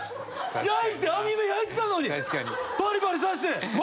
焼いて網で焼いてたのにバリバリさして！